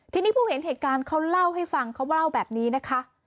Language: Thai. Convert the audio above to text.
ทีนี้ผู้เห็นเหตุการณ์เขาเล่าให้ฟังเขาเล่าแบบนี้นะคะ